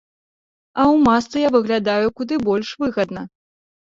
А ў масцы я выглядаю куды больш выгадна.